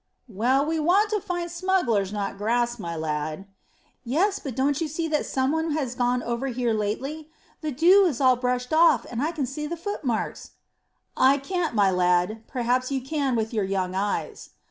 "Well, we want to find smugglers, not grass, my lad." "Yes, but don't you see that some one has gone over here lately. The dew is all brushed off, and you can see the footmarks." "I can't, my lad. Perhaps you can with your young eyes."